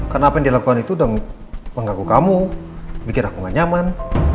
karena apa yang dilakukan itu dong mengaku kamu bikin aku gak nyaman